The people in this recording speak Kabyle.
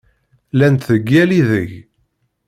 Llant deg yal ideg!